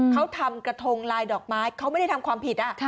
เขาทำกระทงลายดอกไม้เขาไม่ได้ทำความผิด